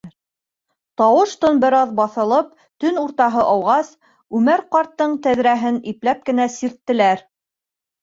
Тауыш-тын бер аҙ баҫылып, төн уртаһы ауғас, Үмәр ҡарттың тәҙрәһен ипләп кенә сирттеләр.